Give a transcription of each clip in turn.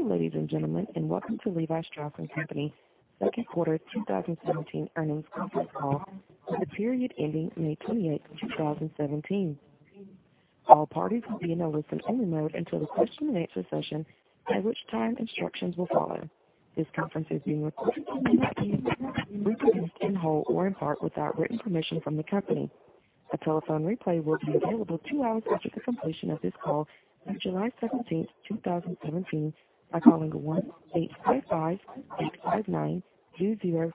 Good day, ladies and gentlemen. Welcome to Levi Strauss & Co. second quarter 2017 earnings conference call for the period ending May 28th, 2017. All parties will be in a listen-only mode until the question and answer session, at which time instructions will follow. This conference is being recorded and may not be reproduced in whole or in part without written permission from the company. A telephone replay will be available 2 hours after the completion of this call on July 17th, 2017, by calling 1-855-859-2056 in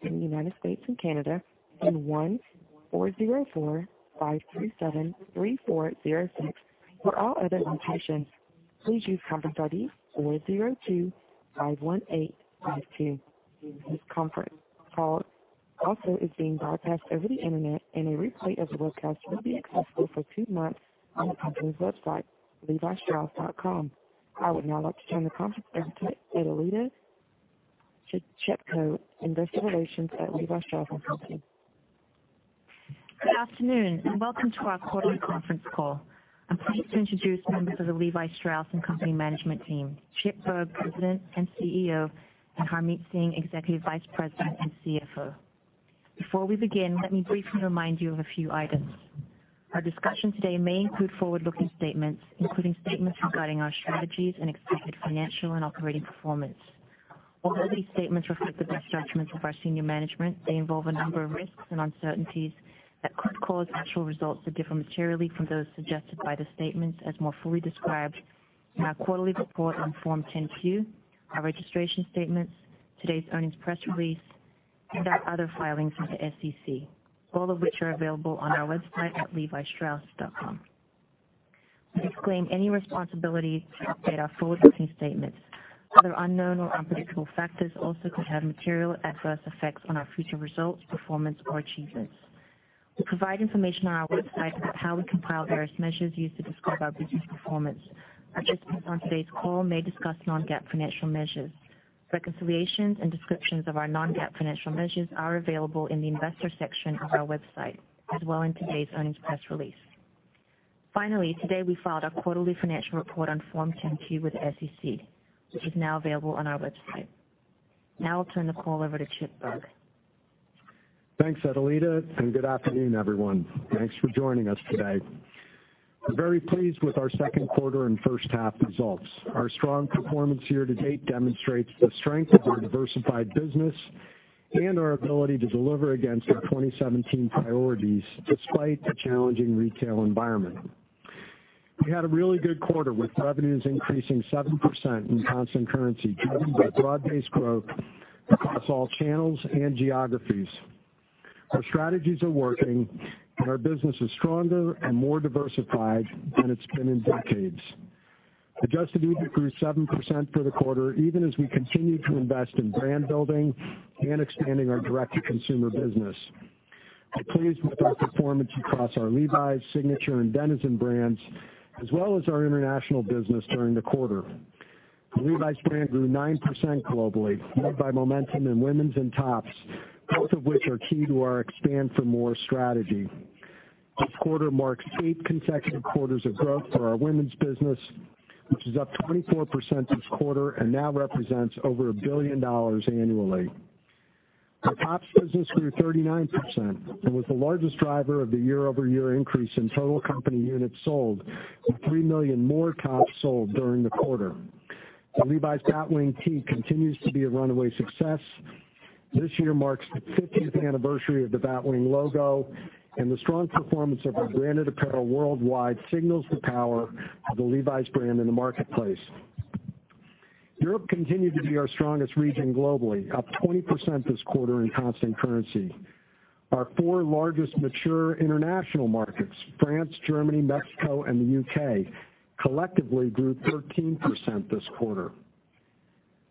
the U.S. and Canada, and 1-404-537-3406 for all other locations. Please use conference ID 40251852. This conference call also is being broadcast over the internet. A replay as a webcast will be accessible for 2 months on the company's website, levistrauss.com. I would now like to turn the conference over to Aida Orphan, Investor Relations at Levi Strauss & Co. Good afternoon. Welcome to our quarterly conference call. I'm pleased to introduce members of the Levi Strauss & Co. management team, Chip Bergh, President and CEO, and Harmit Singh, Executive Vice President and CFO. Before we begin, let me briefly remind you of a few items. Our discussion today may include forward-looking statements, including statements regarding our strategies and expected financial and operating performance. Although these statements reflect the best judgments of our senior management, they involve a number of risks and uncertainties that could cause actual results to differ materially from those suggested by the statements as more fully described in our quarterly report on Form 10-Q, our registration statements, today's earnings press release, and our other filings with the SEC, all of which are available on our website at levistrauss.com. We disclaim any responsibility to update our forward-looking statements. Other unknown or unpredictable factors also could have material adverse effects on our future results, performance, or achievements. We provide information on our website about how we compile various measures used to describe our business performance. Participants on today's call may discuss non-GAAP financial measures. Reconciliations and descriptions of our non-GAAP financial measures are available in the investor section of our website, as well in today's earnings press release. Today we filed our quarterly financial report on Form 10-Q with the SEC, which is now available on our website. I'll turn the call over to Chip Bergh. Thanks, Aida. Good afternoon, everyone. Thanks for joining us today. We're very pleased with our second quarter and first half results. Our strong performance year to date demonstrates the strength of our diversified business and our ability to deliver against our 2017 priorities despite the challenging retail environment. We had a really good quarter, with revenues increasing 7% in constant currency, driven by broad-based growth across all channels and geographies. Our strategies are working and our business is stronger and more diversified than it's been in decades. Adjusted EBIT grew 7% for the quarter, even as we continue to invest in brand building and expanding our direct-to-consumer business. We're pleased with our performance across our Levi's Signature and Denizen brands, as well as our international business during the quarter. The Levi's brand grew 9% globally, led by momentum in women's and tops, both of which are key to our Expand for More strategy. This quarter marks eight consecutive quarters of growth for our women's business, which is up 24% this quarter and now represents over $1 billion annually. Our tops business grew 39% and was the largest driver of the year-over-year increase in total company units sold, with 3 million more tops sold during the quarter. The Levi's Batwing tee continues to be a runaway success. This year marks the 50th anniversary of the Batwing logo, the strong performance of our branded apparel worldwide signals the power of the Levi's brand in the marketplace. Europe continued to be our strongest region globally, up 20% this quarter in constant currency. Our four largest mature international markets, France, Germany, Mexico, and the U.K., collectively grew 13% this quarter.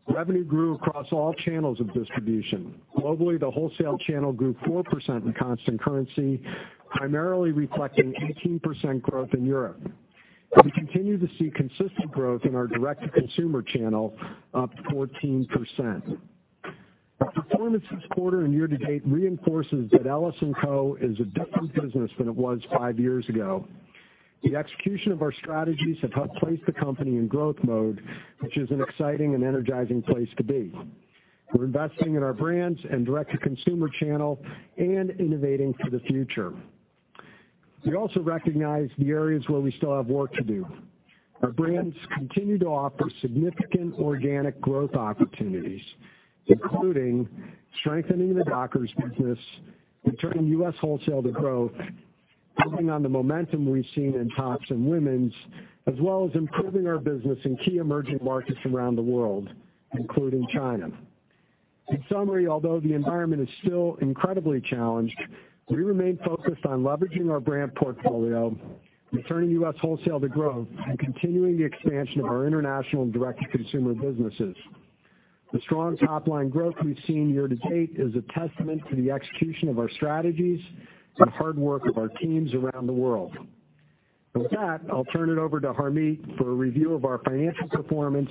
Revenue grew across all channels of distribution. Globally, the wholesale channel grew 4% in constant currency, primarily reflecting 18% growth in Europe. We continue to see consistent growth in our direct-to-consumer channel, up 14%. Our performance this quarter and year-to-date reinforces that LS&Co. is a different business than it was five years ago. The execution of our strategies have helped place the company in growth mode, which is an exciting and energizing place to be. We're investing in our brands and direct-to-consumer channel and innovating for the future. We also recognize the areas where we still have work to do. Our brands continue to offer significant organic growth opportunities, including strengthening the Dockers business, returning U.S. wholesale to growth, building on the momentum we've seen in tops and women's, as well as improving our business in key emerging markets around the world, including China. In summary, although the environment is still incredibly challenged, we remain focused on leveraging our brand portfolio, returning U.S. wholesale to growth, and continuing the expansion of our international and direct-to-consumer businesses. The strong top-line growth we've seen year-to-date is a testament to the execution of our strategies and the hard work of our teams around the world. With that, I'll turn it over to Harmit for a review of our financial performance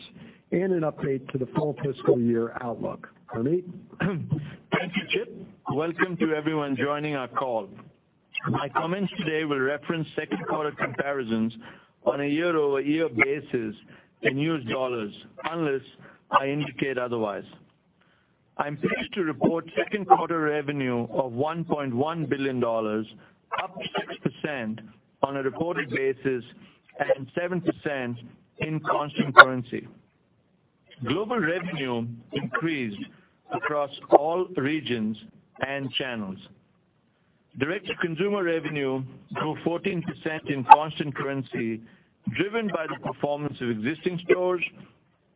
and an update to the full fiscal year outlook. Harmit? Thank you, Chip. Welcome to everyone joining our call. My comments today will reference second quarter comparisons on a year-over-year basis in U.S. dollars, unless I indicate otherwise. I'm pleased to report second quarter revenue of $1.1 billion, up 6% on a reported basis and 7% in constant currency. Global revenue increased across all regions and channels. Direct-to-consumer revenue grew 14% in constant currency, driven by the performance of existing stores,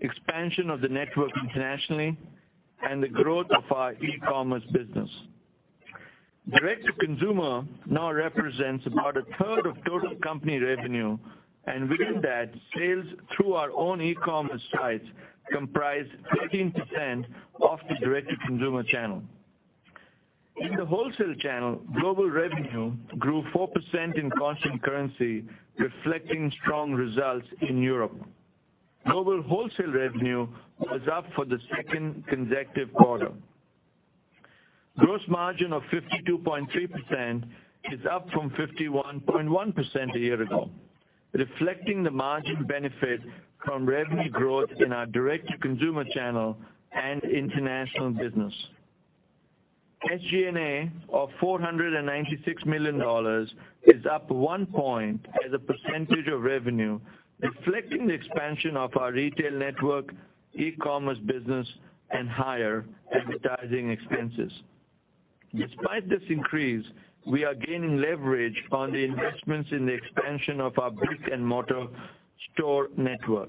expansion of the network internationally, and the growth of our e-commerce business. Direct-to-consumer now represents about a third of total company revenue, within that, sales through our own e-commerce sites comprise 13% of the direct-to-consumer channel. In the wholesale channel, global revenue grew 4% in constant currency, reflecting strong results in Europe. Global wholesale revenue was up for the second consecutive quarter. Gross margin of 52.3% is up from 51.1% a year ago, reflecting the margin benefit from revenue growth in our direct-to-consumer channel and international business. SG&A of $496 million is up one point as a percentage of revenue, reflecting the expansion of our retail network, e-commerce business, and higher advertising expenses. Despite this increase, we are gaining leverage on the investments in the expansion of our brick-and-mortar store network.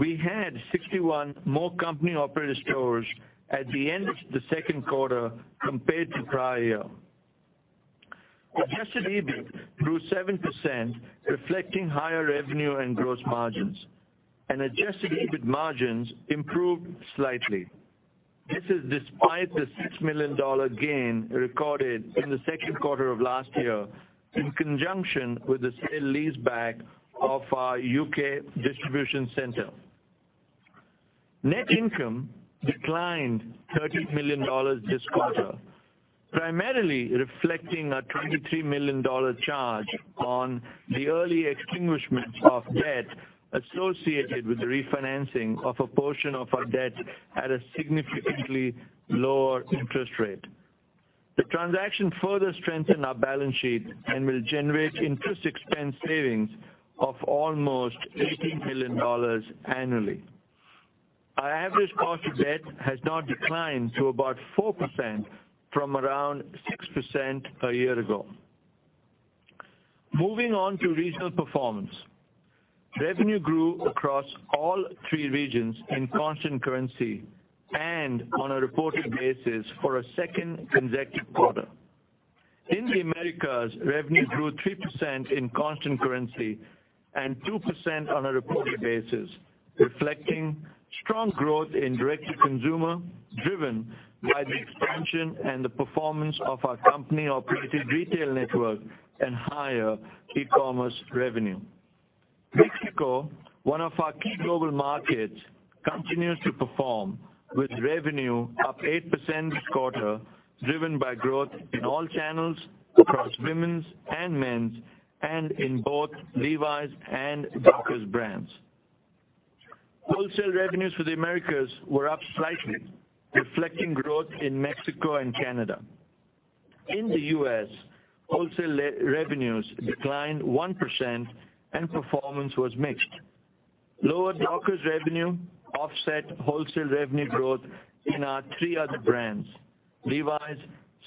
We had 61 more company-operated stores at the end of the second quarter compared to prior year. Adjusted EBIT grew 7%, reflecting higher revenue and gross margins, and Adjusted EBIT margins improved slightly. This is despite the $6 million gain recorded in the second quarter of last year in conjunction with the sale leaseback of our U.K. distribution center. Net income declined $30 million this quarter, primarily reflecting a $23 million charge on the early extinguishment of debt associated with the refinancing of a portion of our debt at a significantly lower interest rate. The transaction further strengthened our balance sheet and will generate interest expense savings of almost $18 million annually. Our average cost of debt has now declined to about 4% from around 6% a year ago. Moving on to regional performance. Revenue grew across all three regions in constant currency and on a reported basis for a second consecutive quarter. In the Americas, revenue grew 3% in constant currency and 2% on a reported basis, reflecting strong growth in direct-to-consumer, driven by the expansion and the performance of our company-operated retail network and higher e-commerce revenue. Mexico, one of our key global markets, continues to perform with revenue up 8% this quarter, driven by growth in all channels across women's and men's, and in both Levi's and Dockers brands. Wholesale revenues for the Americas were up slightly, reflecting growth in Mexico and Canada. In the U.S., wholesale revenues declined 1% and performance was mixed. Lower Dockers revenue offset wholesale revenue growth in our three other brands, Levi's,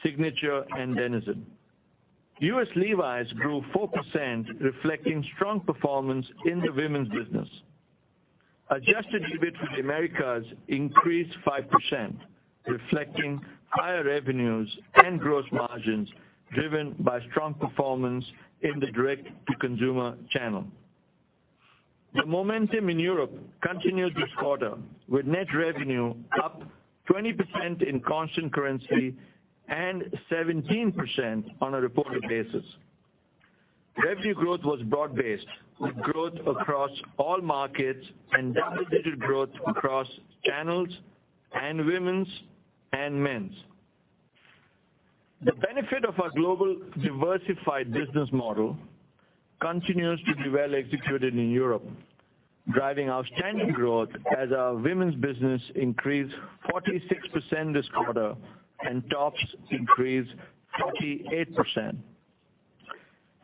Signature, and Denizen. U.S. Levi's grew 4%, reflecting strong performance in the women's business. Adjusted EBIT for the Americas increased 5%, reflecting higher revenues and gross margins driven by strong performance in the direct-to-consumer channel. The momentum in Europe continued this quarter with net revenue up 20% in constant currency and 17% on a reported basis. Revenue growth was broad-based with growth across all markets and double-digit growth across channels in women's and men's. The benefit of our global diversified business model continues to be well executed in Europe, driving outstanding growth as our women's business increased 46% this quarter, and tops increased 48%.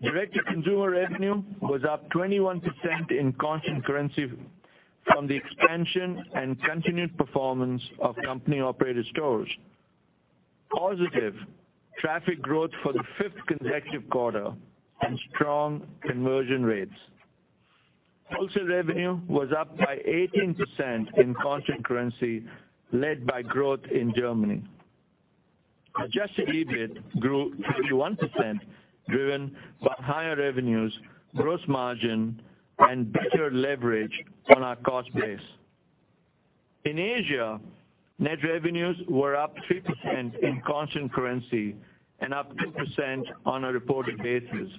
Direct-to-consumer revenue was up 21% in constant currency from the expansion and continued performance of company-operated stores. Positive traffic growth for the fifth consecutive quarter and strong conversion rates. Wholesale revenue was up by 18% in constant currency, led by growth in Germany. Adjusted EBIT grew 51%, driven by higher revenues, gross margin, and better leverage on our cost base. In Asia, net revenues were up 3% in constant currency and up 2% on a reported basis.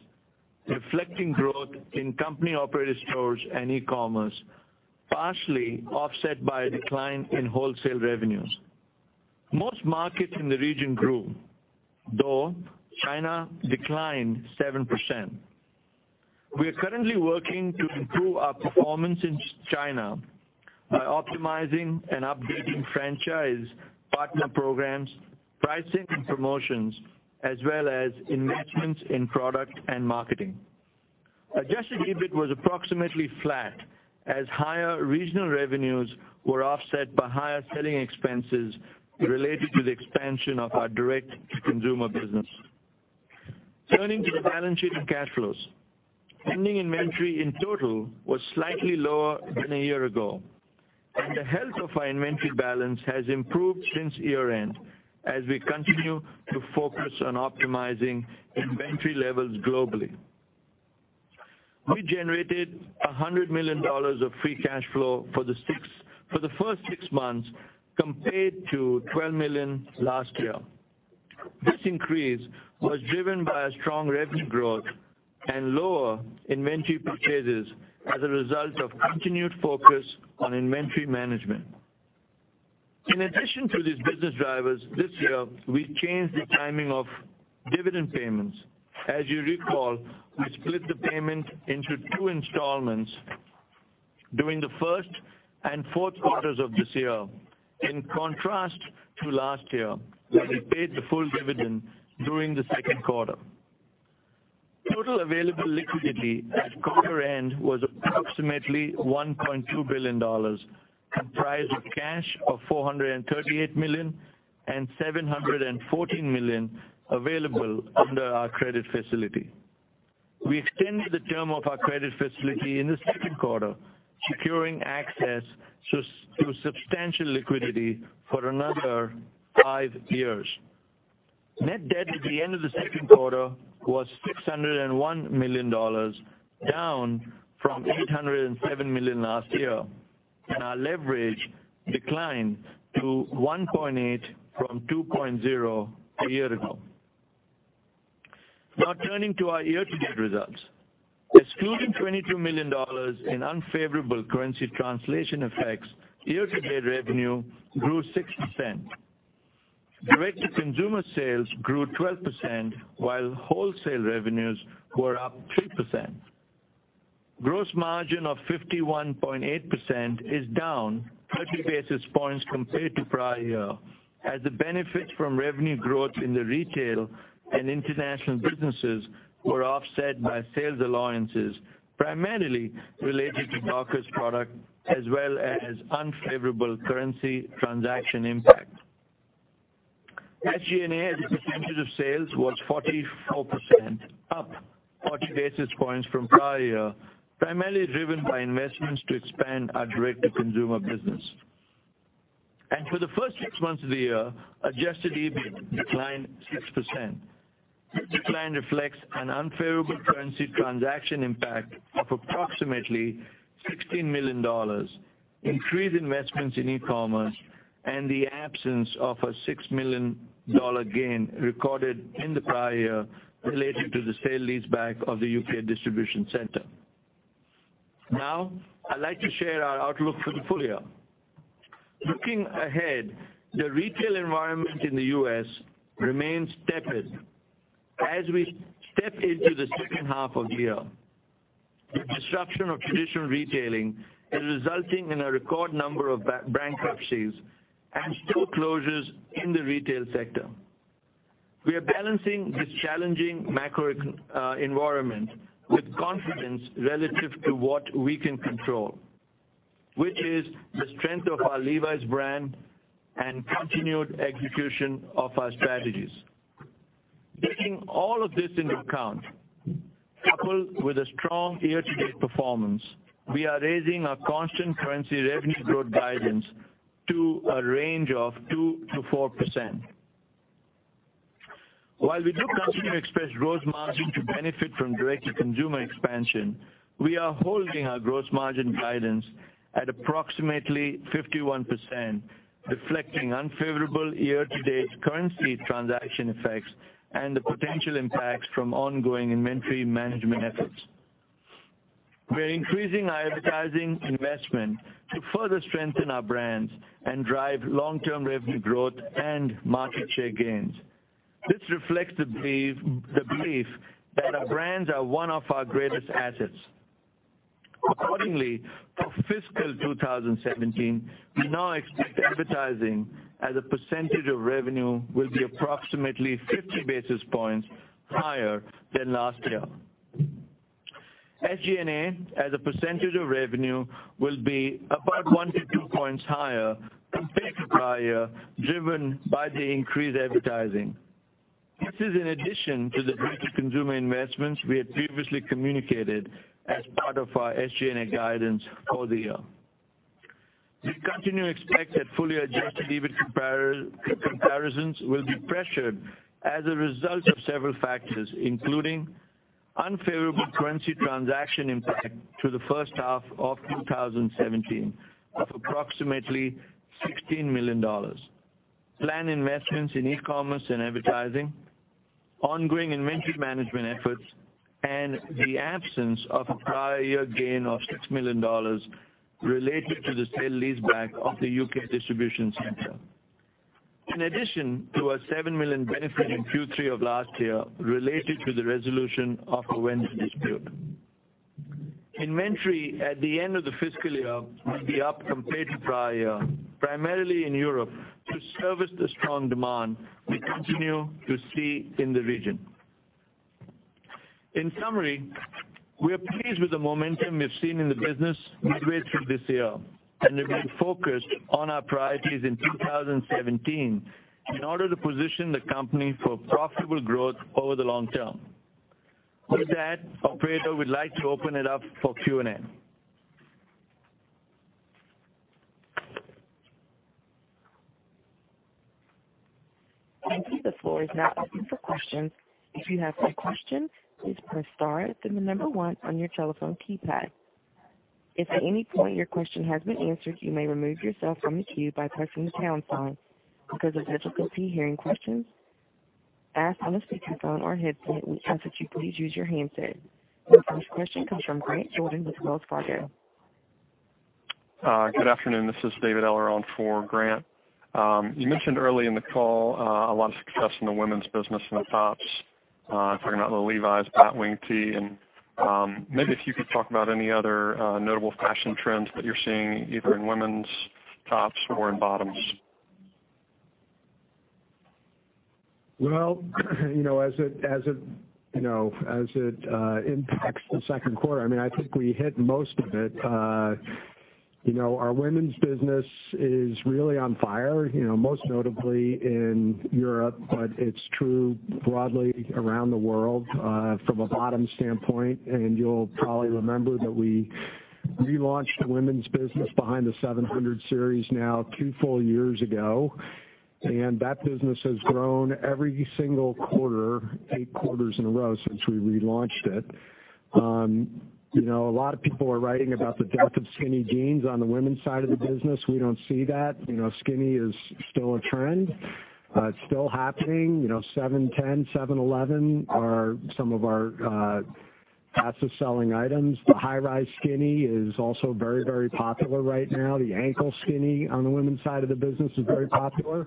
Reflecting growth in company-operated stores and e-commerce, partially offset by a decline in wholesale revenues. Most markets in the region grew, though China declined 7%. We are currently working to improve our performance in China by optimizing and updating franchise partner programs, pricing and promotions, as well as investments in product and marketing. Adjusted EBIT was approximately flat, as higher regional revenues were offset by higher selling expenses related to the expansion of our direct-to-consumer business. Turning to the balance sheet and cash flows. Ending inventory in total was slightly lower than a year ago, and the health of our inventory balance has improved since year-end as we continue to focus on optimizing inventory levels globally. We generated $100 million of free cash flow for the first six months, compared to $12 million last year. This increase was driven by a strong revenue growth and lower inventory purchases as a result of continued focus on inventory management. In addition to these business drivers, this year, we changed the timing of dividend payments. As you recall, we split the payment into two installments during the first and fourth quarters of this year, in contrast to last year, where we paid the full dividend during the second quarter. Total available liquidity at quarter end was approximately $1.2 billion, comprised of cash of $438 million and $714 million available under our credit facility. We extended the term of our credit facility in the second quarter, securing access to substantial liquidity for another five years. Our leverage declined to 1.8 from 2.0 a year ago. Net debt at the end of the second quarter was $601 million, down from $807 million last year. Turning to our year-to-date results. Excluding $22 million in unfavorable currency translation effects, year-to-date revenue grew 6%. Direct-to-consumer sales grew 12%, while wholesale revenues were up 3%. Gross margin of 51.8% is down 30 basis points compared to prior year, as the benefits from revenue growth in the retail and international businesses were offset by sales allowances, primarily related to Dockers product, as well as unfavorable currency transaction impact. SG&A as a percentage of sales was 44%, up 40 basis points from prior year, primarily driven by investments to expand our direct-to-consumer business. For the first six months of the year, Adjusted EBIT declined 6%. The decline reflects an unfavorable currency transaction impact of approximately $16 million, increased investments in e-commerce, and the absence of a $6 million gain recorded in the prior year related to the sale leaseback of the U.K. distribution center. Now, I'd like to share our outlook for the full year. Looking ahead, the retail environment in the U.S. remains tepid. As we step into the second half of the year, the disruption of traditional retailing is resulting in a record number of bankruptcies and store closures in the retail sector. We are balancing this challenging macro environment with confidence relative to what we can control, which is the strength of our Levi's brand and continued execution of our strategies. Taking all of this into account, coupled with a strong year-to-date performance, we are raising our constant currency revenue growth guidance to a range of 2%-4%. While we do continue to expect gross margin to benefit from direct-to-consumer expansion, we are holding our gross margin guidance at approximately 51%, reflecting unfavorable year-to-date currency transaction effects and the potential impacts from ongoing inventory management efforts. We're increasing our advertising investment to further strengthen our brands and drive long-term revenue growth and market share gains. This reflects the belief that our brands are one of our greatest assets. Accordingly, for fiscal 2017, we now expect advertising as a percentage of revenue will be approximately 50 basis points higher than last year. SG&A as a percentage of revenue will be about one to two points higher compared to prior year, driven by the increased advertising. This is in addition to the direct-to-consumer investments we had previously communicated as part of our SG&A guidance for the year. We continue to expect that fully Adjusted EBIT comparisons will be pressured as a result of several factors, including unfavorable currency transaction impact to the first half of 2017 of approximately $16 million. Planned investments in e-commerce and advertising, ongoing inventory management efforts, and the absence of a prior year gain of $6 million related to the sale leaseback of the U.K. distribution center. In addition to a $7 million benefit in Q3 of last year, related to the resolution of a customs dispute. Inventory at the end of the fiscal year will be up compared to prior year, primarily in Europe to service the strong demand we continue to see in the region. In summary, we are pleased with the momentum we've seen in the business midway through this year, and we remain focused on our priorities in 2017 in order to position the company for profitable growth over the long term. With that, operator, we'd like to open it up for Q&A. The floor is now open for questions. If you have a question, please press star, then the number 1 on your telephone keypad. If at any point your question has been answered, you may remove yourself from the queue by pressing the pound sign. Because of difficulty hearing questions asked on a speakerphone or headset, we ask that you please use your handset. The first question comes from Grant Jordan with Wells Fargo. Good afternoon. This is David Eller on for Grant. You mentioned early in the call, a lot of success in the women's business in the tops, talking about the Levi's Batwing tee. Maybe if you could talk about any other notable fashion trends that you're seeing either in women's tops or in bottoms. Well, as it impacts the second quarter, I think we hit most of it. Our women's business is really on fire, most notably in Europe, but it's true broadly around the world, from a bottom standpoint. You'll probably remember that we relaunched the women's business behind the 700 Series now two full years ago. That business has grown every single quarter, eight quarters in a row since we relaunched it. A lot of people are writing about the death of skinny jeans on the women's side of the business. We don't see that. Skinny is still a trend. It's still happening. 710, 711 are some of our fastest-selling items. The high-rise skinny is also very, very popular right now. The ankle skinny on the women's side of the business is very popular.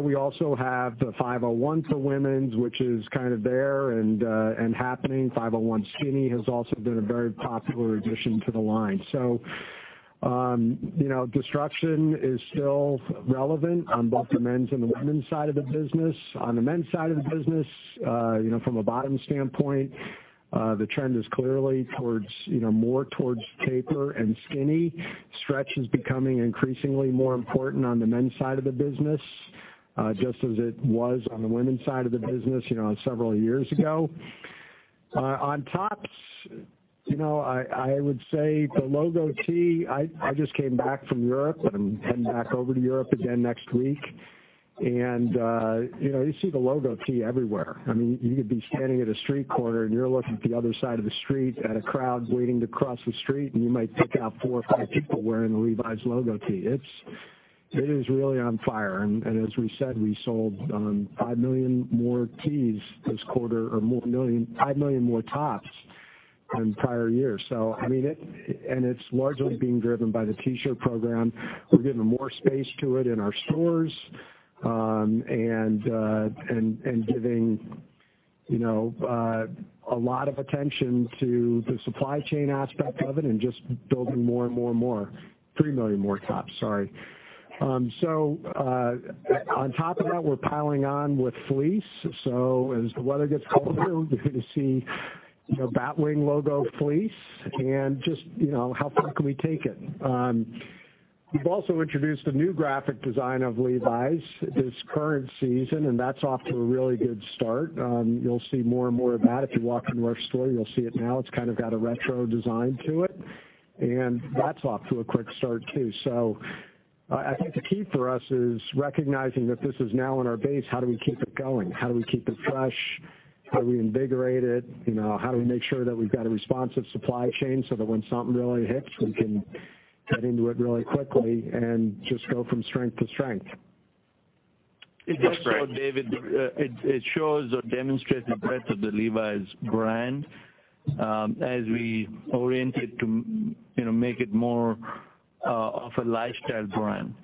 We also have the 501 for women's, which is there and happening. 501 Skinny has also been a very popular addition to the line. Destruction is still relevant on both the men's and the women's side of the business. On the men's side of the business, from a bottom standpoint, the trend is clearly more towards taper and skinny. Stretch is becoming increasingly more important on the men's side of the business, just as it was on the women's side of the business several years ago. On tops, I would say the logo tee. I just came back from Europe, and I'm heading back over to Europe again next week. You see the logo tee everywhere. You could be standing at a street corner, and you're looking at the other side of the street at a crowd waiting to cross the street, and you might pick out four or five people wearing a Levi's logo tee. It is really on fire. As we said, we sold five million more tees this quarter or five million more tops than prior year. It's largely being driven by the T-shirt program. We're giving more space to it in our stores, and giving a lot of attention to the supply chain aspect of it and just building more and more. Three million more tops, sorry. On top of that, we're piling on with fleece. As the weather gets colder, you're going to see Batwing logo fleece and just how far can we take it? We've also introduced a new graphic design of Levi's this current season, and that's off to a really good start. You'll see more and more of that. If you walk into our store, you'll see it now. It's got a retro design to it, and that's off to a quick start, too. I think the key for us is recognizing that this is now in our base. How do we keep it going? How do we keep it fresh? How do we invigorate it? How do we make sure that we've got a responsive supply chain so that when something really hits, we can get into it really quickly and just go from strength to strength? Just so David, it shows or demonstrates the breadth of the Levi's brand, as we orient it to make it more of a lifestyle brand.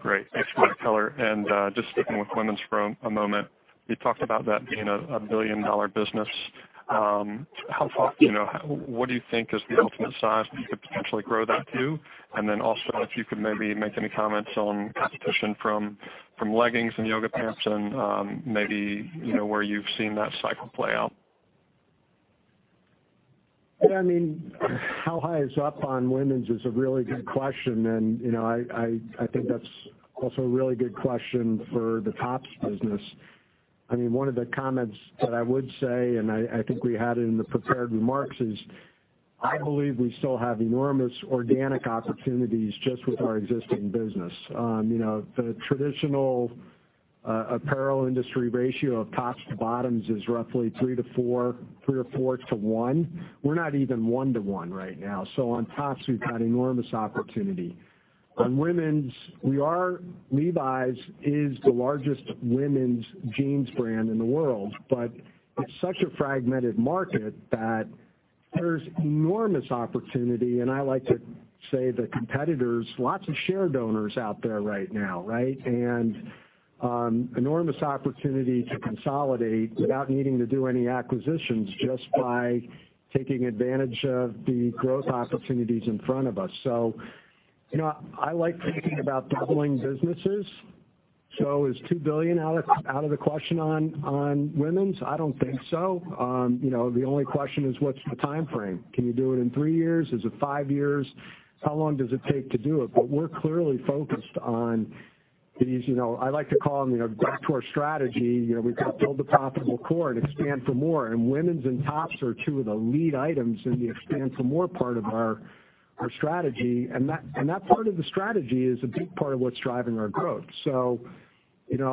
Great. Thanks for the color. Just sticking with women's for a moment, you talked about that being a billion-dollar business. What do you think is the ultimate size that you could potentially grow that to? Then also, if you could maybe make any comments on competition from leggings and yoga pants and maybe where you've seen that cycle play out. How high is up on women's is a really good question, and I think that's also a really good question for the tops business. One of the comments that I would say, and I think we had it in the prepared remarks, is I believe we still have enormous organic opportunities just with our existing business. The traditional Apparel industry ratio of tops to bottoms is roughly three to four to one. We're not even one to one right now. On tops, we've got enormous opportunity. On women's, Levi's is the largest women's jeans brand in the world, but it's such a fragmented market that there's enormous opportunity, and I like to say to competitors, lots of share donors out there right now, right? Enormous opportunity to consolidate without needing to do any acquisitions, just by taking advantage of the growth opportunities in front of us. I like thinking about doubling businesses. Is $2 billion out of the question on women's? I don't think so. The only question is, what's the timeframe? Can you do it in three years? Is it five years? How long does it take to do it? We're clearly focused on these, I like to call them, back to our strategy. We build the profitable core and Expand for More. Women's and tops are two of the lead items in the Expand for More part of our strategy. That part of the strategy is a big part of what's driving our growth.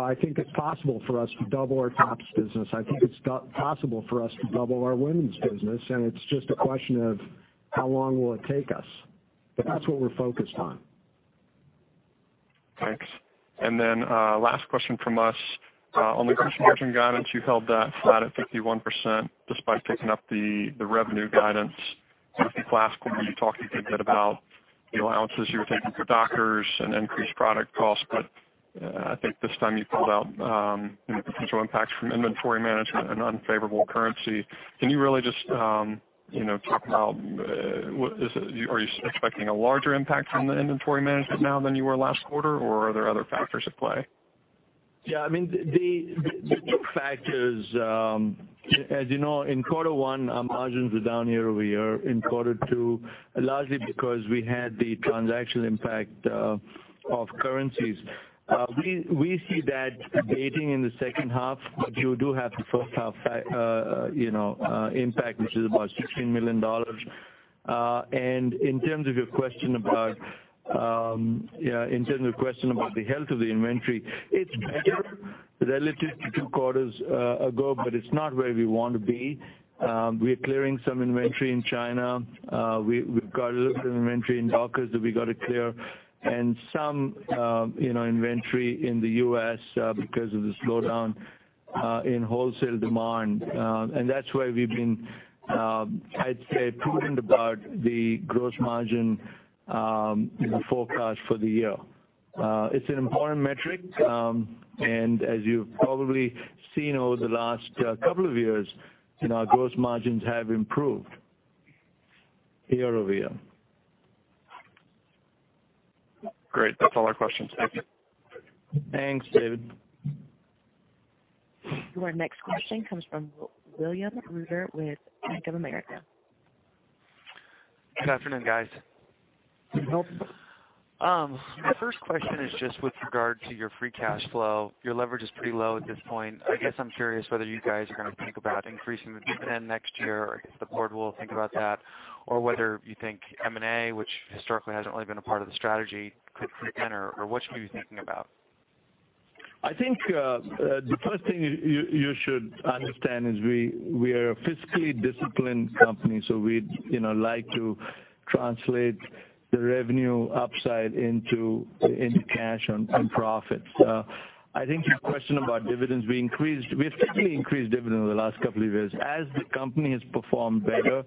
I think it's possible for us to double our tops business. I think it's possible for us to double our women's business, and it's just a question of how long will it take us. That's what we're focused on. Thanks. Last question from us. On the gross margin guidance, you held that flat at 51%, despite picking up the revenue guidance. I think last quarter you talked a good bit about the allowances you were taking for Dockers and increased product costs. I think this time you called out potential impacts from inventory management and unfavorable currency. Can you really just talk about, are you expecting a larger impact from the inventory management now than you were last quarter, or are there other factors at play? Yeah. The factors, as you know, in quarter one, our margins are down year-over-year in quarter two, largely because we had the transaction impact of currencies. We see that abating in the second half, but you do have the first half impact, which is about $16 million. In terms of your question about the health of the inventory, it's better relative to two quarters ago, but it's not where we want to be. We are clearing some inventory in China. We've got a little bit of inventory in Dockers that we got to clear and some inventory in the U.S. because of the slowdown in wholesale demand. That's why we've been, I'd say, prudent about the gross margin forecast for the year. It's an important metric, and as you've probably seen over the last couple of years, our gross margins have improved year-over-year. Great. That's all our questions. Thank you. Thanks, David. Our next question comes from William Reuter with Bank of America. Good afternoon, guys. Good afternoon. My first question is just with regard to your free cash flow. Your leverage is pretty low at this point. I guess I'm curious whether you guys are going to think about increasing the dividend next year, or if the board will think about that, or whether you think M&A, which historically hasn't really been a part of the strategy, could creep in, or what should we be thinking about? I think the first thing you should understand is we are a fiscally disciplined company. We like to translate the revenue upside into cash and profits. I think your question about dividends, we've certainly increased dividends over the last couple of years. As the company has performed better,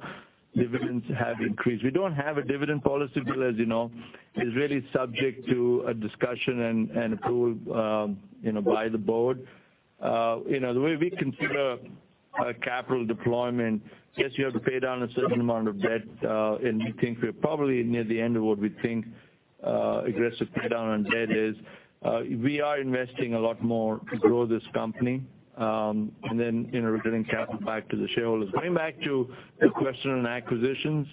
dividends have increased. We don't have a dividend policy, Bill. As you know, it's really subject to a discussion and approval by the board. The way we consider a capital deployment, yes, you have to pay down a certain amount of debt, and we think we're probably near the end of what we think aggressive pay down on debt is. We are investing a lot more to grow this company. Then, we're giving capital back to the shareholders. Going back to the question on acquisitions.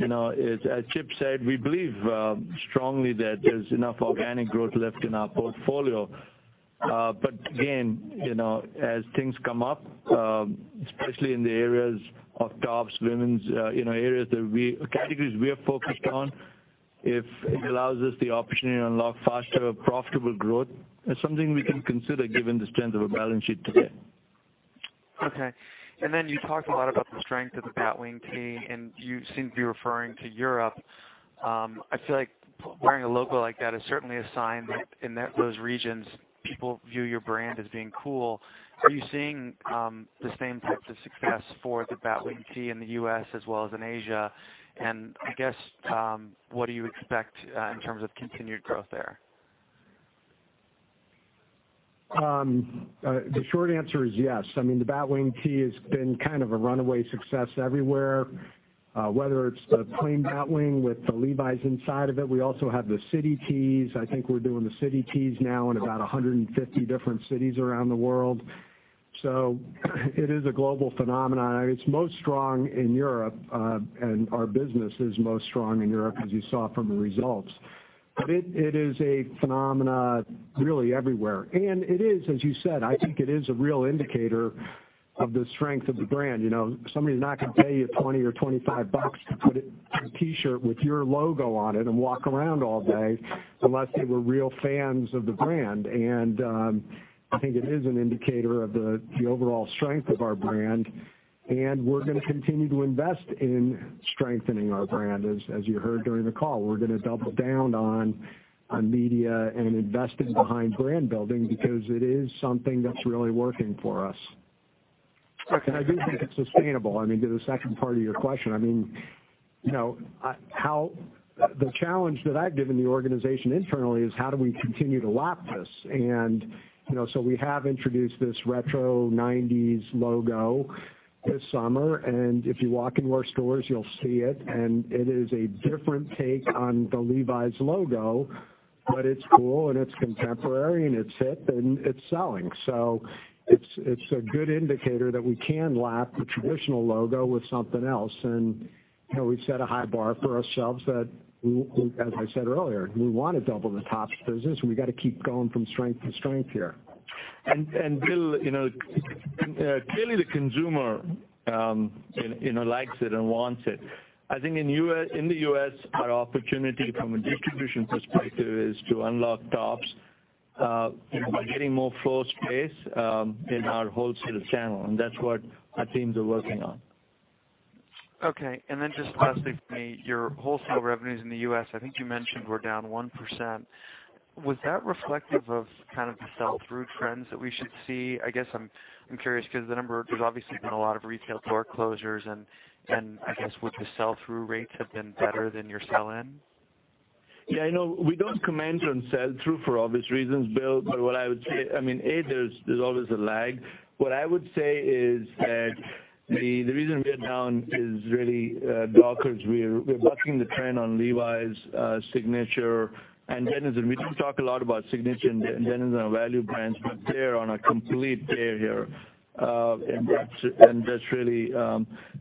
As Chip said, we believe strongly that there's enough organic growth left in our portfolio. Again, as things come up, especially in the areas of tops, women's, categories we are focused on. If it allows us the opportunity to unlock faster profitable growth, it's something we can consider given the strength of our balance sheet today. Okay. Then you talked a lot about the strength of the Batwing tee, and you seem to be referring to Europe. I feel like wearing a logo like that is certainly a sign that in those regions, people view your brand as being cool. Are you seeing the same types of success for the Batwing tee in the U.S. as well as in Asia? I guess, what do you expect in terms of continued growth there? The short answer is yes. The Batwing tee has been kind of a runaway success everywhere, whether it's the plain Batwing with the Levi's inside of it. We also have the city tees. I think we're doing the city tees now in about 150 different cities around the world. It is a global phenomenon. It's most strong in Europe, and our business is most strong in Europe, as you saw from the results. It is a phenomenon really everywhere. It is, as you said, I think it is a real indicator of the strength of the brand. Somebody's not going to pay you $20 or $25 to put a T-shirt with your logo on it and walk around all day, unless they were real fans of the brand. I think it is an indicator of the overall strength of our brand. We're going to continue to invest in strengthening our brand as you heard during the call. We're going to double down on media and investing behind brand building because it is something that's really working for us. I do think it's sustainable. To the second part of your question, the challenge that I've given the organization internally is how do we continue to lap this? We have introduced this retro nineties logo this summer, and if you walk into our stores, you'll see it. It is a different take on the Levi's logo, but it's cool and it's contemporary and it's hip and it's selling. It's a good indicator that we can lap the traditional logo with something else. We've set a high bar for ourselves that, as I said earlier, we want to double the tops business. We've got to keep going from strength to strength here. Bill, clearly the consumer likes it and wants it. I think in the U.S., our opportunity from a distribution perspective is to unlock tops by getting more floor space in our wholesale channel, and that's what our teams are working on. Just lastly from me, your wholesale revenues in the U.S., I think you mentioned were down 1%. Was that reflective of the sell-through trends that we should see? I guess I'm curious because the number, there's obviously been a lot of retail store closures, and I guess with the sell-through rates have been better than your sell-in? Yeah, I know we don't comment on sell-through for obvious reasons, Bill, but what I would say, there's always a lag. What I would say is that the reason we are down is really Dockers. We're bucking the trend on Levi's Signature and Denizen. We do talk a lot about Signature and Denizen on our value brands, but they're on a complete tear here. That's really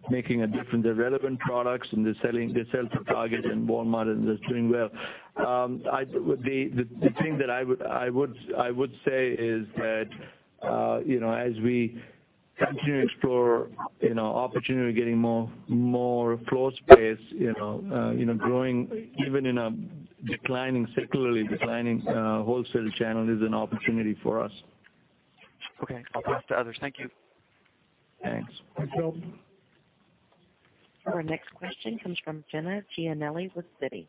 making a difference. They're relevant products and they sell to Target and Walmart, and they're doing well. The thing that I would say is that as we continue to explore opportunity, getting more floor space, growing even in a secularly declining wholesale channel is an opportunity for us. Okay. I'll pass to others. Thank you. Thanks. Thanks, Bill. Our next question comes from Jenna Giannelli with Citi.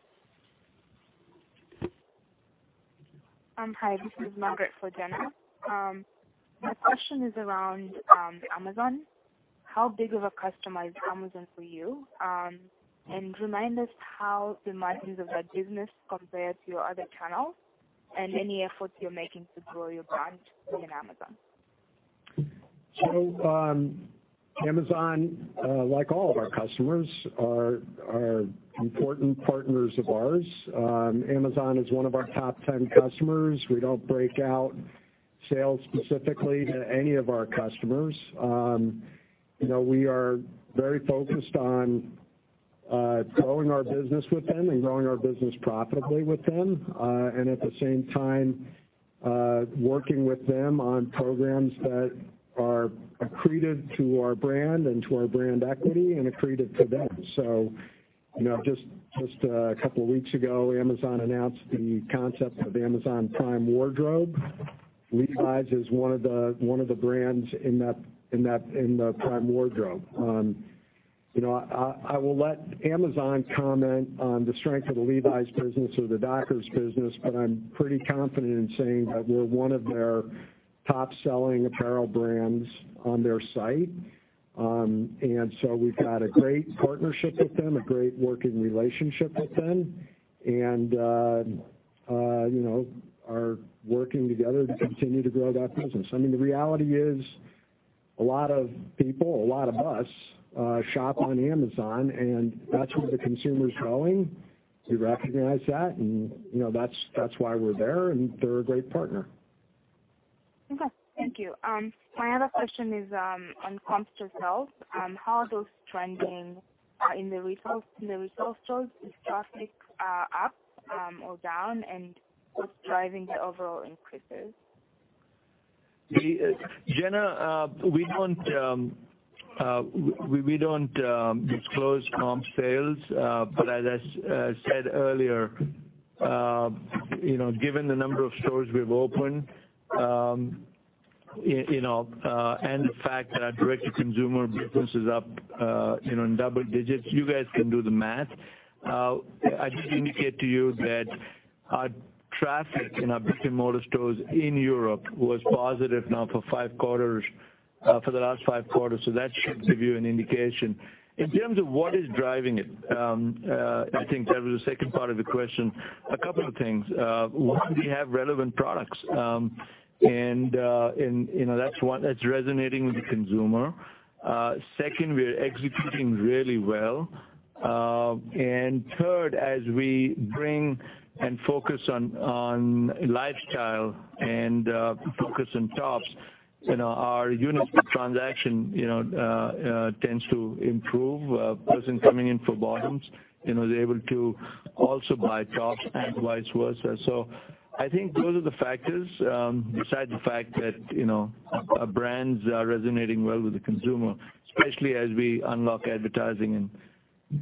Hi, this is Margaret for Jenna. My question is around Amazon. How big of a customer is Amazon for you? Remind us how the margins of that business compare to your other channels and any efforts you're making to grow your brand within Amazon. Amazon, like all of our customers, are important partners of ours. Amazon is one of our top 10 customers. We don't break out sales specifically to any of our customers. We are very focused on growing our business with them and growing our business profitably with them. At the same time, working with them on programs that are accretive to our brand and to our brand equity and accretive to them. Just a couple of weeks ago, Amazon announced the concept of Amazon Prime Wardrobe. Levi's is one of the brands in the Prime Wardrobe. I will let Amazon comment on the strength of the Levi's business or the Dockers business, but I'm pretty confident in saying that we're one of their top-selling apparel brands on their site. We've got a great partnership with them, a great working relationship with them, and are working together to continue to grow that business. The reality is a lot of people, a lot of us, shop on Amazon, and that's where the consumer's going. We recognize that, and that's why we're there, and they're a great partner. Okay, thank you. My other question is on comp sales. How are those trending in the retail stores? Is traffic up or down? What's driving the overall increases? Margaret, we don't disclose comp sales. As I said earlier, given the number of stores we've opened, and the fact that our direct-to-consumer business is up in double digits, you guys can do the math. I did indicate to you that our traffic in our brick-and-mortar stores in Europe was positive now for the last five quarters. That should give you an indication. In terms of what is driving it, I think that was the second part of the question. A couple of things. One, we have relevant products. That's one that's resonating with the consumer. Second, we're executing really well. Third, as we bring and focus on lifestyle and focus on tops, our units per transaction tends to improve. A person coming in for bottoms, they're able to also buy tops and vice versa. I think those are the factors, besides the fact that our brands are resonating well with the consumer, especially as we unlock advertising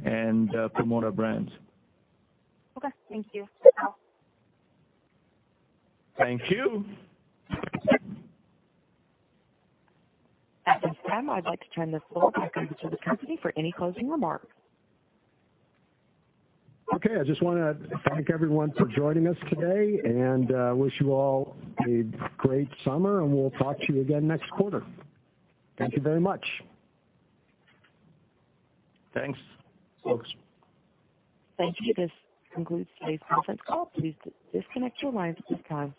and promote our brands. Okay. Thank you. Thank you. At this time, I'd like to turn this call back over to the company for any closing remarks. Okay, I just want to thank everyone for joining us today and wish you all a great summer. We'll talk to you again next quarter. Thank you very much. Thanks, folks. Thank you. This concludes today's conference call. Please disconnect your lines at this time.